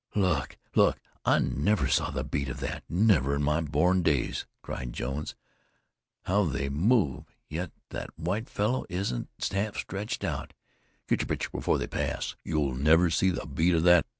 "Look! Look! I never saw the beat of that never in my born days!" cried Jones. "How they move! yet that white fellow isn't half stretched out. Get your picture before they pass. You'll never see the beat of that."